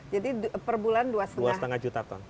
jadi per bulan dua lima juta ton